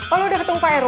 oh lo udah ketemu pak rw